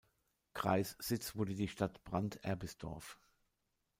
Kreissitz wurde die Stadt Brand-Erbisdorf.